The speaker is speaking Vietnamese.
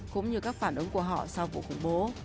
cũng như các phản ứng của họ sau vụ khủng bố